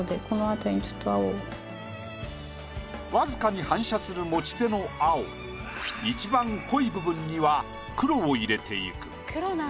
僅かに反射する持ち手の青いちばん濃い部分には黒を入れていく。